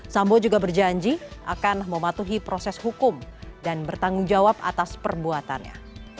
sambo juga berjanji akan mematuhi proses hukum dan bertanggung jawab atas perbuatannya